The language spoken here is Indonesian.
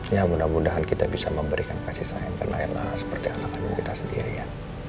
ya mudah mudahan kita bisa memberikan kasih sayang karena seperti anak anak kita sendiri ya